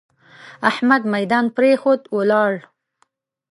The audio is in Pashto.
احمد ميدان پرېښود؛ ولاړ.